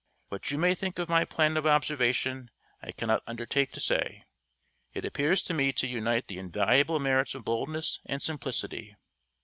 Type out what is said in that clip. What you may think of my plan of observation I cannot undertake to say. It appears to me to unite the invaluable merits of boldness and simplicity.